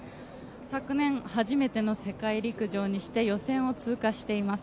昨年、初めての世界陸上にして予選を通過しています。